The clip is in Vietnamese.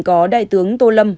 có đại tướng tô lâm